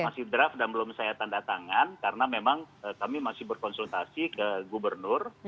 masih draft dan belum saya tanda tangan karena memang kami masih berkonsultasi ke gubernur